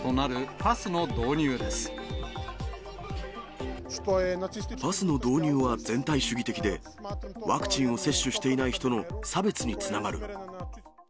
パスの導入は全体主義的で、ワクチンを接種していない人の差別につながる。